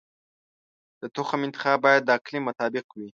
د تخم انتخاب باید د اقلیم مطابق وي.